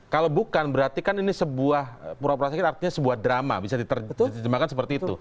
kalau bukan berarti kan ini sebuah pura pura sakit artinya sebuah drama bisa diterjemahkan seperti itu